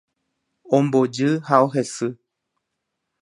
Ombojy ha ohesy.